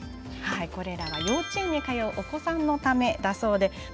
これらは幼稚園に通うお子さんのためだそうです。